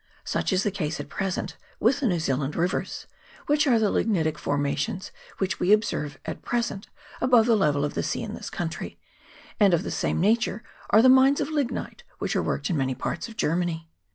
Such is the case at present with the New Zealand rivers ; such are the lignitic formations which we observe at present above the level of the sea in this country ; and of the same nature are the mines of lignite which are worked in many parts of Germany.